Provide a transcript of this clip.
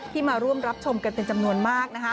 มาร่วมรับชมกันเป็นจำนวนมากนะคะ